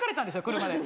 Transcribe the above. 車で。